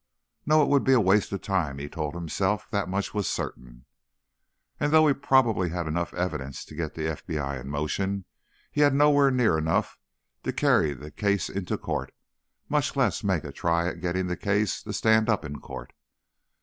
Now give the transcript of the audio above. No, it would be a waste of time, he told himself. That much was certain. And, though he probably had enough evidence to get the FBI in motion, he had nowhere near enough to carry the case into court, much less make a try at getting the case to stand up in court.